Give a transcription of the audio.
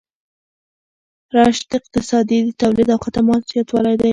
رشد اقتصادي د تولید او خدماتو زیاتوالی دی.